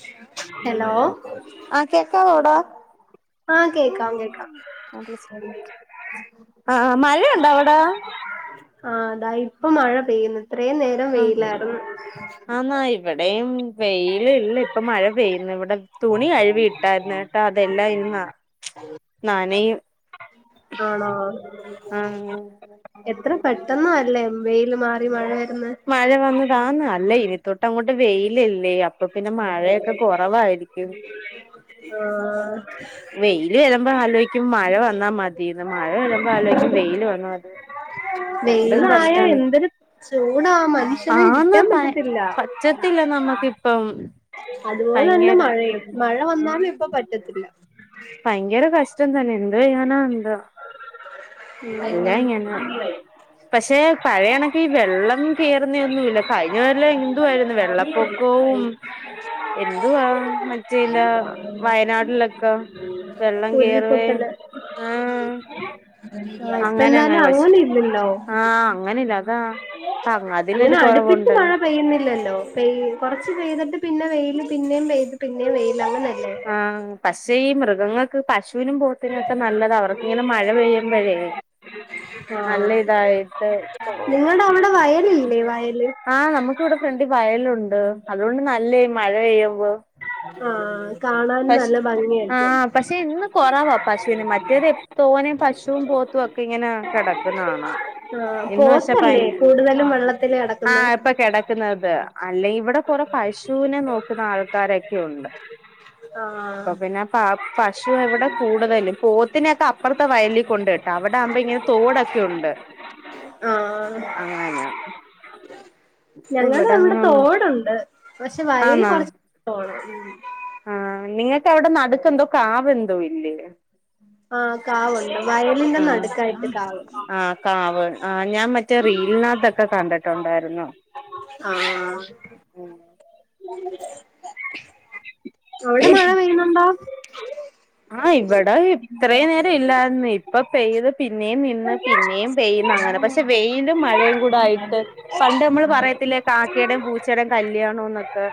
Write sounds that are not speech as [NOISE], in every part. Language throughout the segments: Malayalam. ഹലോ ഹലോ ആഹ് കേക്കാവോടാ ആ കേക്കാം കേക്കാം ആഹ് മഴയുണ്ടോ അവിടെ ആഹ് ഇതാ ഇപ്പ മഴ പെയ്യുന്നു ഇത്രയും നേരം ആഹ് വെയിലായിരുന്നു ആന്നാ ഇവിടെയും വെയില് ഇല്ല ഇപ്പ മഴ പെയ്യുന്നു ഇവിടെ തുണി കഴുവിയിട്ടായിരുന്നട്ടോ അതെല്ലാം ഇനി നനയും ആണോ ആഹ് എത്ര പെട്ടന്ന അല്ലേ വെയിൽ മാറി മഴ വരുന്നേ മഴ വന്നതാന്ന അല്ല ഇനി തൊട്ട് അങ്ങോട്ട് വെയിലല്ലേ അപ്പൊ പിന്നെ മഴയൊക്കെ കൊറവായിരിക്കും ആഹ് വെയില് വരുമ്പോ ആലോയ്ക്കും മഴ വന്നാ മതിന്ന് മഴ വരുമ്പോ ആലോയ്ക്കും വെയില് വന്നാ മതി രണ്ടും വെയിലായ കഷ്ടാണ് എന്തൊരു ചൂടാ മനു ആ സമയം ആന്ന് നിക്കാൻ പ പറ്റത്തില്ല പറ്റത്തില്ല നമ്മക്കിപ്പം അതുപോലെ തന്നെ ഭയങ്കര മഴയും മഴ ഉം വന്നാലും ഇപ്പ പറ്റത്തില്ല ഭയങ്കര കഷ്ടം തന്നെ എന്തു ചെയ്യാന എന്തോ എല്ലാ ഇങ്ങന പക്ഷെ പഴയ കണക്ക് വെള്ളം കേറുന്നഒന്നുല്ലാ കഴിഞ്ഞ കൊല്ലം എന്തുവായിരുന്നു വെള്ളപ്പൊക്കവും എന്തുവാ മറ്റേല്ല വയനാടിലൊക്കെ വെള്ളം കേറവെ ഉരുൾപൊട്ടല് ആഹ് ആ ഇപ്പ അങ്ങനെ എന്തായാലും അങ്ങനെ പക്ഷെ ഇല്ലല്ലോ ആഹ് അങ്ങനെല്ല അങ്ങനെ അടുപ്പിച്ച് മഴ പെയ്യുന്നില്ലല്ലോ പെയ് കുറച്ച് പെയ്തിട്ട് പിന്നെ വെയില് പിന്നെയും പെയ്ത് പിന്നേം വെയില് അങ്ങനെയല്ലെ ആഹ് പക്ഷേ ഈ മൃഗങ്ങൾക്ക് പശുവിനും പോ ത്തിനൊക്കെ നല്ലതാ അവർക്ക് ഇങ്ങനെ മഴ പെയ്യുമ്പഴേ ആഹ് നല്ല ഇതായിട്ട് പോവും നിങ്ങടെ അവിടെ വയലില്ലേ വയല് ആഹ് നമുക്കിവിടെ ഫ്രണ്ടിൽ വയലുണ്ട് അതുകൊണ്ട് നല്ല മഴ പെയ്യുമ്പോ ആഹ് കാണാൻ പശു നല്ല ഭംഗിയായിരിക്കും ആഹഹ് പക്ഷേ ഇന്ന് കൊറവാ പശുവിനെ മറ്റേത് തോനേ പശുവും പോത്തുവൊക്കെ ക്കെങ്ങനെ കിടക്കുന്ന കാണാം ആഹ് എന്നുവെച്ച ഇപ്പൊ പോത്തല്ലേ കൂടുതലും വെള്ളത്തില് കിടക്കുന്നേ ആഹ് ഇപ്പ കെടക്ക ക്കുന്നത് അല്ലെങ്കി ഇവിടെ കൊറ പശുവിനെ നോക്കുന്ന ആൾക്കാരൊക്കെയുണ്ട് ആഹ് അപ്പൊ പിന്നെ പ പശു ഇവിടെ കൂടുതലും പോത്തിനക്കെ അപ്പുറത്തെ വയലിൽ കൊണ്ട് ഇട്ട് അവിടെ ആവുമ്പോ ഇങ്ങനെ തോടൊക്കെ ഉണ്ട് ആഹ് അങ്ങനെ ഞങ്ങളെ ഇവിടെ അവിടെ അങ്ങനൊന്നും തോടുണ്ട് പക്ഷെ വയൽ ആന്നാ കൊറച് പോണം ഉം ആഹ് നിങ്ങക്ക് അവിടെ നടുക്കെന്തോ കാവെന്തോ ഇല്ലേ ആഹ് കാവുണ്ട് വയലിന്റെ ആഹ് നടുക്കായിട്ട് കാവ് ആഹ് കാവ് ആ ഞാൻ മറ്റേ റീൽനാത്തോക്കെ കണ്ടിട്ടുണ്ടായിരുന്നു [UNINTELLIGIBLE] വിഷേകരം ആ [INAUDIBLE] അവിടെ മഴ പെയ്യണുണ്ടോ? ആഹ് ഇവിടെ ഇത്രയും നേരം ഇല്ലായിന്ന് ഇപ്പൊ പെയ്ത് പിന്നയും നി ന്ന് പിന്നെയും പെയ്യുന്ന അങ്ങനെ പക്ഷെ വെയിലും മഴയും കൂടെ ആയിട്ട് പണ്ട് നമ്മള് പറയത്തില്ലേ കാക്കടേം പൂച്ചേടേം കല്യാണന്നൊക്കെ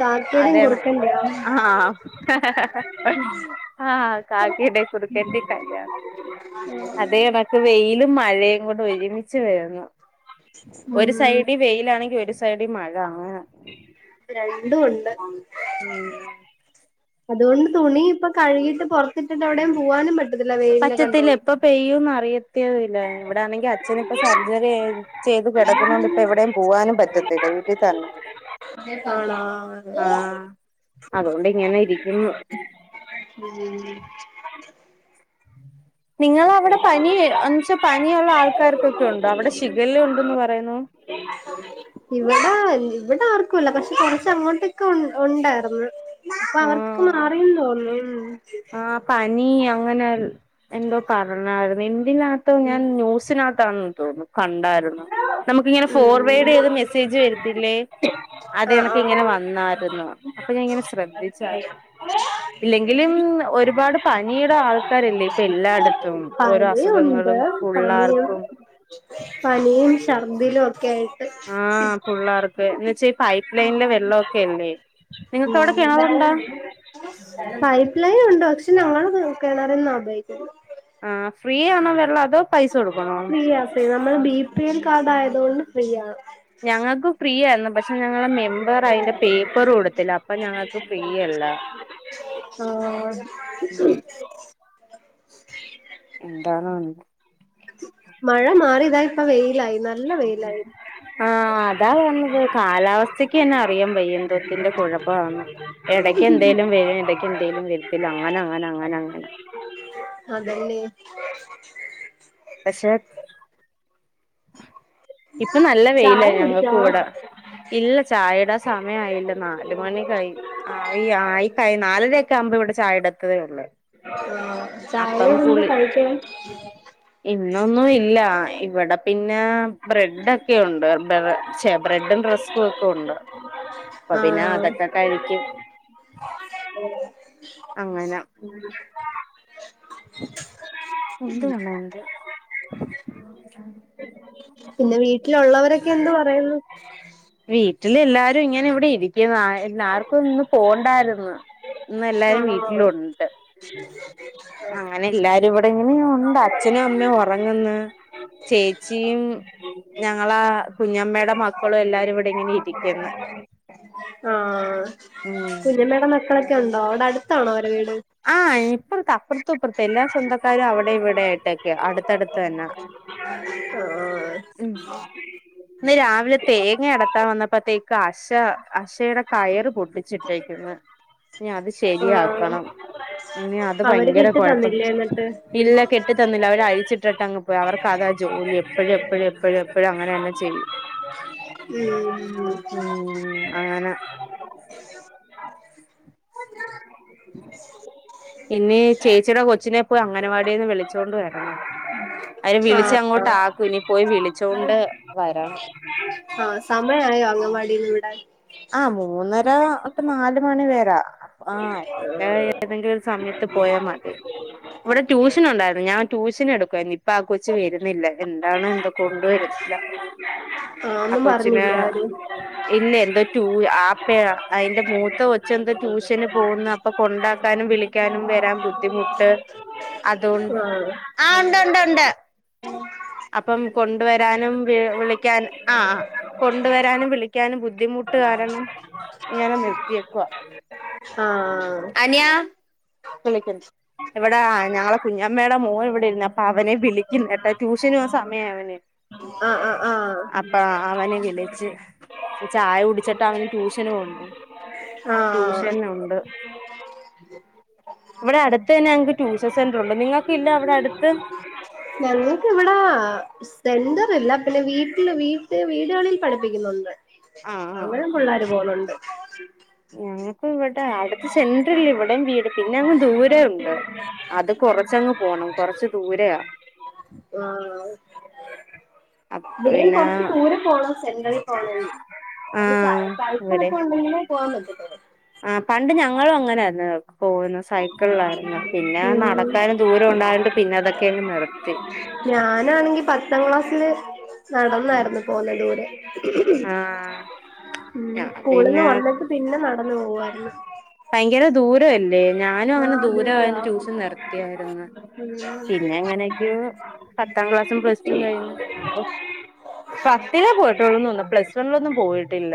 കാക്കേടേം കുർക്കന്റേം ആഹ് ആഹ് കാക്കേടേം കുർക്കന്റേം കല്യാണം അതെ അതെകണക്ക് വെയിലും മഴേ കൂടെ ഒരുമിച്ച് വെര്ന്നു ഒരു സൈഡി വെയിലാണെങ്കി ഒരു സൈഡി മഴ അങ്ങനെ രണ്ടു ഒണ്ട് ഉം അതോണ്ട് തുണിപ്പൊ കഴുകിട്ട് പൊറത്തിട്ടിട്ട് എവടേം പോവാനും പറ്റ പറ്റത്തില്ല എപ്പ പെയ്യൂന്ന് അറിയത്തില്ല ഇവിടാണെങ്കി അച്ഛനിപ്പം സർജറി കയ് ചെയ്ത് കെടക്കുന്നോണ്ട് ഇപ്പെവടേം പോവാനും പറ്റത്തില്ല വീട്ടിതന്നെ ആണോ ആഹ് അതോണ്ട്ങ്ങനെ ഇരിക്കിന്നു ആഹ് നിങ്ങളവടെ പനി എന്നച്ചാ പനിയുള്ള ആൾക്കാർക്കൊക്കെ ഒണ്ടോ അവടെ ഷിഗല്ല ഉണ്ടെന്ന് പറയുന്നു [INAUDIBLE] ഇവടെ ഇവടെ ആർക്കുംല്ല പക്ഷെ കൊർച്ചങ്ങോട്ടൊക്കെ ഉണ്ടായിർന്ന് അപ്പൊ അവർക്കൊക്കെ ആഹ് മാറീ തോന്നു ഉം ആഹ് പനി അങ്ങനെ എന്തോ പറഞ്ഞാര്ന്നു എന്തിനകത്തോ ഞാൻ ന്യൂസിന ത്താ തോന്നുന്നു കണ്ടാര്ന്നു നമ്മക്ക്ങ്ങനെ ഉം ഫോർവേർഡെയ്ത് മെസ്സേജ് വെരത്തില്ലേ ആ ആ ആ അതെനക്ക്ങ്ങനെ വന്ന് ന്നാര്ന്നു അപ്പൊ ഞാ ഇങ്ങനെ ശ്രദ് [UNINTELLIGIBLE] ഇല്ലെങ്കിലും ഒരുപാട് പനിടെ ആൾക്കാരല്ലേ ഇപ്പെല്ലാടെ ത്തും ഓരോ പനിയുണ്ട് അസുഖങ്ങളും പനിയും പുള്ളാർക്കും പനിയും ശർദിലൊക്കായിട്ട് ആഹ് പുള്ളാർക്ക് എന്ന്വച്ചാ പൈപ്പ് ലൈൻലെ വെള്ളൊക്കല്ലേ നിങ്ങക്ക് അവടെ ഉം കിണറുണ്ടോ പൈപ്പ് ലൈൻ ഉണ്ട് പക്ഷെ ഞങ്ങള് കെണറീന്നാ ഉപയോഗിക്കുന്നെ ആ ഫ്രീ ആണോ വെള്ളം അതോ പൈസ കൊടുക്കണോ ഫ്രീയാ ഫ്രീ നമ്മള് ബി പി എൽ കാർഡായതോണ്ട് ഫ്രീയ ഞങ്ങക്കും ഫ്രീയാന്നു പക്ഷെ ഞങ്ങളെ മെമ്പറയ്ന്റെ പേപ്പറൊട്ത്തില്ല അപ്പൊ ഞങ്ങക്ക് ഫ്രീയല്ല ആഹ് എന്താണ് മഴ മാറി താ ഇപ്പ വെയിലായി നല്ല വെയിലായി ആ അതാ പർഞത് കാലാവസ്ഥക്കെന്നെ അറിയാം പെയ്യന്തോത്തിന്റെ കുഴപ്പാന്ന് എടയ്ക്കെന്തേലും വെരും എടയ്ക്കെന്തേലും വെര്ത്തില്ല അങ്ങനങ്ങനങ്ങനങ്ങനെ അതെന്നെ പക്ഷെ ഇപ്പൊ നല്ല വെയില ചായ കുടിച്ചോ ഞങ്ങക്കവടെ ഇല്ല ചായേടെ സമയായില്ല നാല് മണി കഴ് ആ ഈ ആ കൈ നാലരൊക്കാകുമ്പോ ഇവടെ ചായടത്തതേ ഒള്ളൂ ആ ചായ [UNINTELLIGIBLE] ഇന്നൊന്നും ഇല്ല ഇവടെ പിന്നെ ബ്രടൊക്കെ ഒണ്ട് ബെ ബെ ചെ ബ്രെഡും റെസ്കൊക്കെ ഒണ്ട് അപ്പൊ പിന്നാ അതൊക്കെ കഴിക്കും ഓ അങ്ങനെ ഉണ്ട് [UNINTELLIGIBLE] പിന്നെ വീട്ടിലുള്ളവരൊക്കെ എന്ത് പറയുന്നു? വീട്ടില് എല്ലാരും ഇങ്ങനെ ഇവിടെ ഇരി ക്കുന്നു എല്ലാ ആർക്കും ഇന്ന് പോണ്ടായിരുന്നു. ഇന്ന് എല്ലാരും ആണോ വീട്ടിലുണ്ട്. [INAUDIBLE] അങ്ങനെ എല്ലാരും ഇവിടെ ഇങ്ങനെ ഉണ്ട്. അച്ഛനും അമ്മയും ഒറങ്ങന്ന്. ചേച്ചിം ഞങ്ങള കുഞ്ഞമ്മയുടെ മക്കളും എല്ലാരും ഇവിടെ ഇങ്ങനെ ഇരിക്കന്ന് ഉം. കുഞ്ഞമ്മയുടെ മക്കളൊക്കെ ഉണ്ടോ അവിടേ അടുത്താണോ അവര വീട്? ആഹ് ഇപ്പുറത്തെ, അപ്പുറത്തും ഇപ്പുറത്തും എല്ലാ സ്വന്തക്കാരും അവിടെ ഇവിടായിട്ടൊക്കെ അടുത്തടുത്ത് തന്നാ. ഓഹ്. ഇന്ന് രാവിലെ തേങ്ങ എടത്താൻ വന്നപ്പോത്തേക്ക് അശ അശയുടെ കയറ് പൊട്ടിച്ചിട്ടേക്ക്ന്ന്. ഇനി അത് ആഹ് ശെരിയാക്കണം. ഇനി അത് അവര് ഭയങ്കര കെട്ടി കൊഴപ്പ തന്നില്ലേ എന്നിട്ട് ഇല്ല കെട്ടി തന്നില്ല അവര് അഴിച്ചിട്ടിട്ട അങ്ങ് പോയി. അവർക്ക് അതാ ജോലി എപ്പഴും എപ്പഴും എപ്പഴും എപ്പഴും അങ്ങനെ തന്നെ ചെയ്യും. ഉം ഉം അങ്ങന. പിന്നേ ചേച്ചിയുടെ കൊച്ചിനെ പോയി അംഗനവാടിന്ന് വിളിച്ചൊണ്ട് വരണം. അവര് വിളിച്ച ആഹ് അങ്ങോട്ട് ആഹ് ആക്കും. ഇനി പോയി വിളിച്ചൊണ്ട് വരണം. ആഹ് സമയ ആയോ അങ്കൻവാടിന്ന് വിടാൻ. ആ മൂന്നര ഒട്ട് നാല് മണി വരാ. ആഹ് പിന്നെ ഏതെങ്കിലും ഒരു സമയത്ത് പോയാ മതി. ഇവിടെ ട്യൂഷൻ ഉണ്ടായിരുന്നു, ഞാൻ ട്യൂഷൻ എടുക്കുവായിരുന്നു ഇപ്പൊ ആ കൊച്ച് വരുന്നില്ല. എന്താണ് എന്തോ കൊണ്ടുവരുന്നില്ല. ആഹ് ആ ഒന്നും കൊച്ചിന് പറഞ്ഞില്ലേ അവര് ഇല്ല എന്ത് [UNINTELLIGIBLE] അയിന്റെ മൂത്ത കൊച്ച് എന്താ ട്യൂഷന് പോകുന്നു അപ്പൊ കൊണ്ടാക്കാനും വിളി ക്കാനും വരാൻ ബുദ്ധിമുട്ട് അതൊണ്ട്, ആഹ് [INAUDIBLE] അപ്പം കൊണ്ടുവരാനും വി വിളിക്കാനും ആഹ്. കൊണ്ടുവരാനും വിളിക്കാനും ബുദ്ധിമുട്ട് കാരണം ഇങ്ങനെ നിർത്തിയേക്കുവ. ആഹ് [INAUDIBLE] ഇവിടെ ഞങ്ങളെ കുഞ്ഞമ്മയുടെ മോൻ ഇവിടെ ഇരുന്ന്. അപ്പൊ അവനെ വിളിക്കുന്നു ഏട്ടാ ട്യൂഷന് പോവാൻ സമയം അവന്. ആഹ് ആഹ് ആഹ് അപ്പാ അവനെ വിളിച്ച്. ചായ കുടിച്ചിട്ട് അവന് ട്യൂഷന് പോണ്ടേ. ആഹ് ട്യൂഷൻ ഉണ്ട്. ഇവിടെ അടുത്ത് തന്നെ ഞങ്ങക്ക് ട്യൂഷൻ സെന്ററുണ്ട്, നിങ്ങൾക്ക് ഇല്ല അവിടെ അടുത്ത്? ഞങ്ങൾക്ക് ഇവിടാ സെന്ററില്ല, പിന്നെ വീട്ടില് വീട്ടി വീടുകളിൽ പഠിപ്പിക്കുന്നുണ്ട്. ആഹ് [UNINTELLIGIBLE] ആഹ് പിള്ളേര് പോന്ന്ണ്ട്. ഞങ്ങക്ക് ഇവിടെ അടുത്ത് സെന്ററില്ല ഇവിടെയും വീട് പിന്നെ അങ്ങ് ദൂരെ ഉണ്ട്. അത് കൊറച്ചങ്ങ് പോണം കൊറച്ച് ദൂരയാ. ആഹ്. അപ്പ ഇവിടയും പിന്നെ കൊറച്ച് ദൂരെ പോണം സെന്ററിൽ പോണങ്കി. ഒരു സൈ ആഹ് സൈക്കിള്ക്കെ ഉണ്ടങ്കിലെ പോവാൻ പറ്റത്തൊളു. ആ പണ്ട് ഞങ്ങളും അങ്ങനെ ആയിരുന്നു പോവുന്നെ സൈക്കിളിലായിരുന്നു. പിന്നെ ഉം നടക്കാനും ദൂരം ഉണ്ടായോണ്ട് പിന്നെ അതൊക്കെ അങ്ങ് നിർത്തി. ഞാനാണെങ്കി പത്താം ക്ലാസ്സില് നടന്നായിരുന്നു പോവുന്നെ ദൂരെ. ആഹ് ഉം ഞാൻ സ്കൂളിൽന്ന് പിന്നെ വന്നിട്ട് പിന്നെ നടന്നു പോവായിരുന്നു. ഭയങ്കര ദൂരല്ലേ ഞാനും അങ്ങനെ ആഹ് ദൂരം ദൂരാ ആയോണ്ട് ട്യുഷൻ നിർത്തിയായിരുന്നു. പിന്നെ എങ്ങനെയൊക്കെ പത്താം ക്ലാസ്സും പ്ലസ് ടു കഴിഞ്ഞു അപ്പോ പത്തിലേ പോയിട്ടുള്ളൂ എന്ന് തോനുന്നു പ്ലസ് വണിലൊന്നും പോയിട്ടില്ല.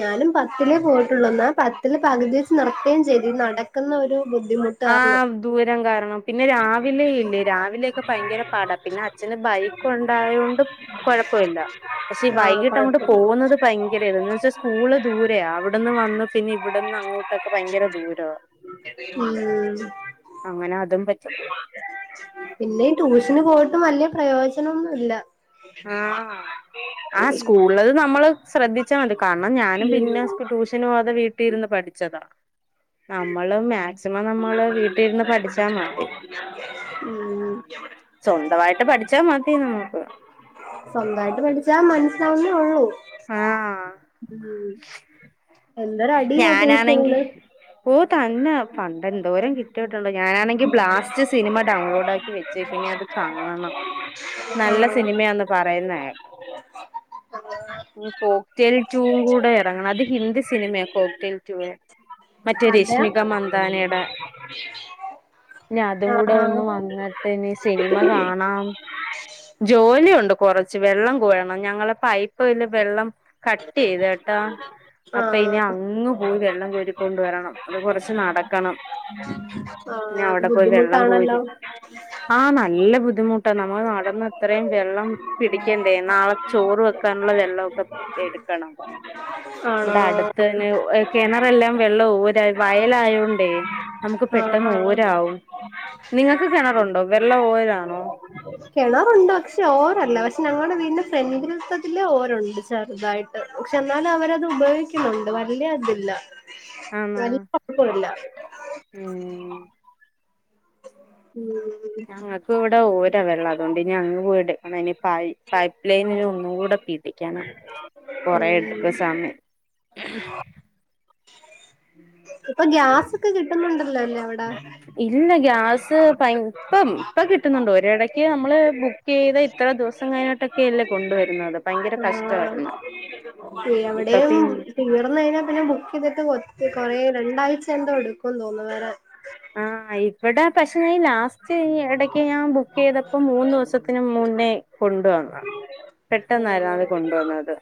ഞാനും പത്തിലേ പോയിട്ടുള്ളൂ എന്നാ പത്തില് പകുതി വെച്ച് നിർത്തുകയും ചെയ്തു. ഈ നടക്കുന്ന ഒരു ബുദ്ധിമുട്ട് കാരണം ആഹ് ദൂരം കാരണം പിന്നെ രാവിലെ ഇല്ലേ രാവിലെയൊക്കെ ഭയങ്കര പാടാ പിന്നെ അച്ഛന് ബൈക്ക് ഉണ്ടായതൊണ്ട് കുഴപ്പമില്ല പക്ഷേ ആഹ് വൈകീട്ട് അങ്ങോട്ട് കൊഴപ്പല്ല പോകുന്നത് ഭയങ്കര ഇത് ഇന്ന് വെച്ചാ സ്കൂള് ദൂരെയ അവിടുന്ന് വന്നു പിന്നെ ഇവിടന്ന് അങ്ങോട്ടൊക്കെ ഭയങ്കര ദൂരവ. ഉം. അങ്ങനെ അതും പറ്റത്തില്ല പിന്നെ ഈ ട്യൂഷന് പോയിട്ടും വലിയ പ്രയോജനം ഒന്നും ഇല്ല. ഉം. ഉള്ളത് നമ്മള് ശ്രദ്ധിച്ചാൽ മതി കാരണം ഞാനും പിന്നെ ട്യൂഷനു പോവാതെ വീട്ടിലിരുന്ന് പഠിച്ചതാ. നമ്മള് മാ ഉം സ്വന്തമായിട്ട് പഠിച്ച മതി നമ്മുക്ക്. സ്വന്തമായിട്ട് പഠിച്ചാ മനസ്സിലാവുന്നേ ഉള്ളൂ. ആഹ് എന്തൊരടിയാ ഞാനാണെങ്കിൽ ട്യൂഷനില് ഓ തന്ന പണ്ടെന്തോരം കി ട്ടീട്ടുണ്ട് ഞാനാണെങ്കിൽ ബ്ലാസ്റ്റ് സിനിമ ഡൌൺലോഡ് അക്കി വെച്ചെക്കുന്ന് ഇനി അത് കാണണം. നല്ല സിനിമയാന്ന്‌ പറയുന്ന കേക്കാം ഇനി കോക്ക് ടെയിൽ ടുവും കൂടി ഇറങ്ങണം അത് ഹിന്ദി സിനിമയ കോക് ടെയിൽ ടു വേ മറ്റേ അതെയാ രശ്മിക മന്താനേടെ ഇനി അതും കൂടെ ആഹ് ഒന്ന് വന്നിട്ട് ഇനി സിനിമ കാണാം ജോലിയുണ്ട് കൊറച്ച് വെള്ളം കോരണം ഞങ്ങളെ പൈപ്പ്ല് വെള്ളം കട്ട് ചെയ്ത് കേട്ട അപ്പൊ ഇനി ആഹ് അങ്ങ് പോയി വെള്ളം കോരിക്കൊണ്ട് വരണം അത് കൊറച്ച് നടക്കണം. ആഹ് പിന്നെ അത് ബുദ്ധിമുട്ടാണല്ലോ ആഹ് നല്ല ബുദ്ധിമുട്ടാ നമ്മള് നടന്ന് ത്രയും വെള്ളം പിടിക്കണ്ടേ നാളെ ചോറ് വെക്കാനുള്ള വെള്ളവൊക്കെ എടുക്കണം [INAUDIBLE] വ്ടെ അടുത്ത്തന്നെ ഉ കിണറെല്ലാം വെള്ളവും ഓരായി വയലായോണ്ടേയ് നമുക്ക് ആഹ് പെട്ടെന്ന് ആഹ് ഓരാവും നിങ്ങക്ക് കെണറുണ്ടോ വെള്ളം ഓരാണോ? കെണറുണ്ട് പക്ഷെ ഓരല്ല പക്ഷെ ഞങ്ങടെ വീടിന്റെ ഫ്രണ്ട്ൽത്തതില് ഓരുണ്ട് ചെറുതായിട്ട് പക്ഷെ എന്നാലും അവരത് ഉപയോഗിക്കുന്നുണ്ട് വല്ല്യ അതില്ല ആന്നാ ഒന്നുല്ല ഉം [INAUDIBLE] ഞങ്ങക്ക് ഇവിടെ ഓരാ വെള്ളം അതുകൊണ്ട് ഇനി അങ്ങ് പോയെടുക്കണം ഇനി പൈ പൈപ്പ് ലൈൻ ന് ഒന്നു കൂടെ പി ടിക്കണം കൊറേ എടുക്ക് സമ [UNINTELLIGIBLE] ഇപ്പൊ ഗ്യാസൊക്കെ കിട്ടുന്നുണ്ടല്ലോ ല്ലേ അവിട? ഇല്ല ഗ്യാസ് പയ് ഇപ്പം ഇപ്പ കിട്ടുന്നുണ്ട്. ഒരെടക്ക് നമ്മള് ബു ക്കെയ്താ ഇത്ര ദിവസം കഴിഞ്ഞിട്ടൊക്കെയല്ലേ കൊണ്ടുവരുന്നത്. ഭയങ്കര ആഹ് കഷ്ടവായിരുന്ന്. എവിടെയും തീർന്ന് കഴിഞ്ഞാൽ പിന്നെ ബുക്ക് ചെയ്തിട്ട് കൊ കൊറെ രണ്ടാഴ്ച എന്തോ എടുക്കുംന്ന് തോന്ന് വെരാൻ. ആഹ് ഇവിടെ പക്ഷെ ലാസ്റ്റ് ഈ ഇടക്ക് ഞാൻ ബുക്ക് ചെയ്തപ്പം മൂന്ന് ദിവസത്തിന് മുന്നേ കൊണ്ടുവന്ന പെട്ടെന്നായിരുന്നു അത് കൊണ്ട് വന്നത്.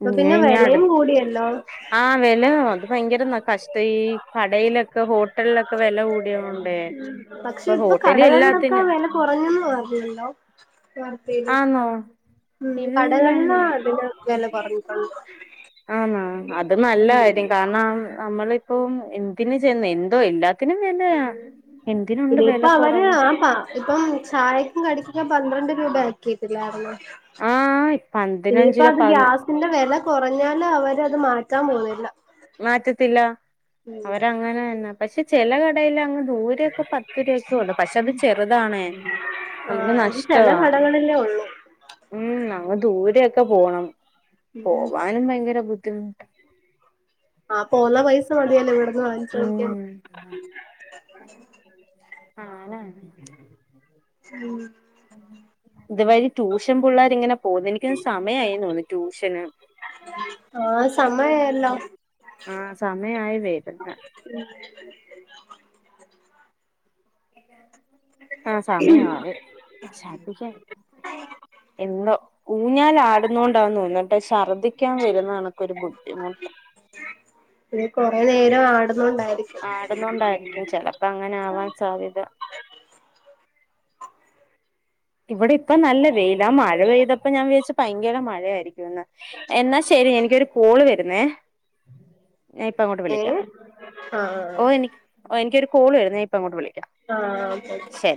ഇപ്പൊ പിന്നെ ഇഞ്ഞയിഞ്ഞാ അടുത്, വിലയും കൂടിയല്ലോ ആഹ് വെല അത് ഭയങ്കര ന കഷ്ട. ഈ കടയിലൊക്കെ ഹോട്ടലിലൊക്കെ വെല കൂടിയോണ്ട്. ഉം. പക്ഷെ ഇപ്പൊ കടകളിലൊക്കെ വെല കുറഞ്ഞന്ന് പറഞ്ഞല്ലോ. ആന്നോ [UNINTELLIGIBLE] ഇല്ല കടകളിലാ അതില് വെല കുറഞ്ഞിട്ട്ണ്ട്. ആന്നാ? അത് നല്ല കാര്യം. കാരണം നമ്മള് ഇപ്പം എന്തിന് ചെന്ന്, എന്തോ എല്ലാത്തിനും വെലയാ. ഇനിയിപ്പൊ അവര് ആ പ ഇപ്പം ചായക്കും കടിക്കൊക്കെ പന്ത്രണ്ട് രൂപ ആക്കീട്ടില്ലായിരുന്നോ? ആ പതിനഞ്ച് ഇനിയിപ്പ രൂപ അത് പതി ഗ്യാസിന്റെ വെല കൊറഞ്ഞാലു അവരത് മാറ്റാൻ പോന്നില്ല. മാറ്റത്തില്ല. അവരങ്ങനെ തന്നാ. പക്ഷെ ചെല കടയില് അങ്ങ് ദൂരെ ഇപ്പൊ പത്ത് രൂവക്കൂണ്ട്. പക്ഷെ അത് ചെറുതാണ്. ആ നമുക്ക് അത് ചില നഷ്ടവാ. കടകളിലേ ഉള്ളൂ ഉം അങ്ങ് ദൂരൊക്കെ പോണം. പോവാനും ഭയങ്കര ബുദ്ധിമുട്ട ആഹ് പോന്ന പൈസ മതിയല്ലോ ഇവിടുന്ന് വാങ്ങിച്ചൊട്ക്കാൻ. ആന ഉം. ഇതുവഴി ട്യൂഷൻ പുള്ളേര് ഇങ്ങനെ പോന്ന്. എനിക്ക് തോന്നു സമയായി തോന്നുന്ന് ട്യൂഷന്. ആഹ് സമയായല്ലോ. ആ സമയായി വരുന്ന് ഉം. എത ആഹ് സമയായി. ഓഹ് ശർദ്ധിക്കാൻ. എന്തോ. ഊഞ്ഞാലാടുന്നോണ്ടാ തോന്ന്, ശർദ്ദിക്കാൻ വരുന്ന കണക്ക് ഒരു ബുദ്ധിമുട്ട്. നീ കൊറെ നേരം ആടുന്നോണ്ടായിരിക്കും. ആടുന്നോണ്ടായിരിക്കും ചെലപ്പോ അങ്ങനെ ആവാൻ സാധ്യത. ഇവിടെ ഇപ്പം നല്ല വെയിലാ. മഴ പെയ്തപ്പോ ഞാൻ വിചാരിച്ചു ഭയങ്കര മഴയായിരി എന്നാ ശരി എനിക്കൊരു കോള് വരുന്നേ. ഞാനിപ്പൊ അങ്ങോട്ട് ഏ വിളിക്കാം. ആ ഓഹ് എനി ഓഹ് എനിക്കൊരു കോള് വരുന്നേ. ഞാൻ ഇപ്പ അങ്ങോട്ട് വിളിക്കാം. ആഹ് അതെയതെ ശരി